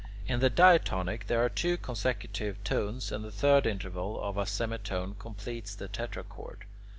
In the diatonic, there are two consecutive tones, and the third interval of a semitone completes the tetrachord.